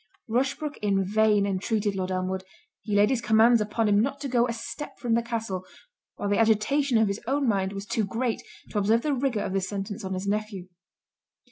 Rushbrook in vain entreated Lord Elmwood; he laid his commands upon him not to go a step from the Castle; while the agitation of his own mind, was too great, to observe the rigour of this sentence on his nephew.